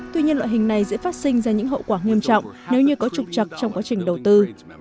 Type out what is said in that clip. tuy nhiên loại hình này dễ phát sinh ra những hậu quả nghiêm trọng nếu như có trục trặc trong quá trình đầu tư